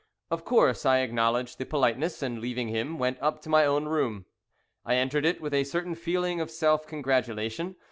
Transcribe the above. Of course I acknowledged the politeness, and leaving him, went up to my own room. I entered it with a certain feeling of self congratulation.